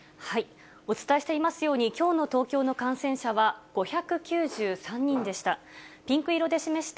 お伝えしていますように、きょうの東京の感染者は５９３人でした。